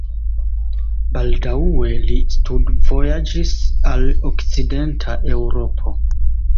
Baldaŭe li studvojaĝis al okcidenta Eŭropo.